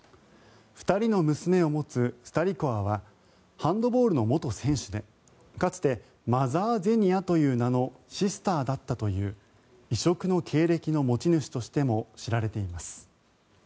２人の娘を持つスタリコワはハンドボールの元選手でかつてマザー・ゼニアという名のシスターだったという異色の経歴の持ち主としても知られています。